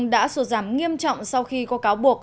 đã sụt giảm nghiêm trọng sau khi có cáo buộc